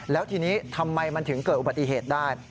แล้วทีนี้ทำไมมันถึงเกิดอุบัติเหตุได้